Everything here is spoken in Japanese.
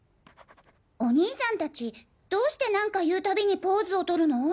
お兄さん達どうして何か言うたびにポーズをとるの？